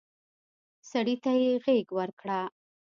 سړي ته يې غېږ ورکړه.